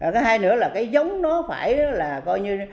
cái hai nữa là cái giống nó phải là coi như